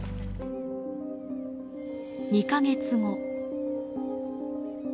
２か月後。